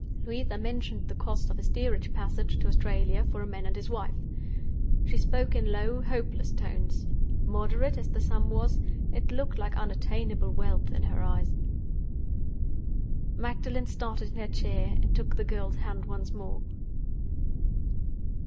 Louisa mentioned the cost of a steerage passage to Australia for a man and his wife. She spoke in low, hopeless tones. Moderate as the sum was, it looked like unattainable wealth in her eyes. Magdalen started in her chair, and took the girl's hand once more.